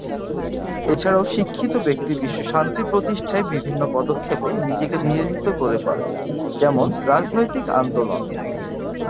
এছাড়াও শিক্ষিত ব্যক্তি বিশ্ব শান্তি প্রতিষ্ঠায় বিভিন্ন পদক্ষেপে নিজেকে নিয়োজিত করে পারে, যেমন- রাজনৈতিক আন্দোলন।